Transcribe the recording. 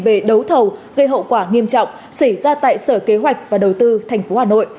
về đấu thầu gây hậu quả nghiêm trọng xảy ra tại sở kế hoạch và đầu tư tp hà nội